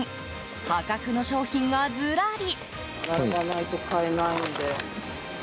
破格の商品がずらり。